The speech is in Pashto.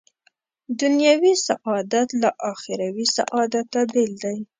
دنیوي سعادت له اخروي سعادته بېل دی.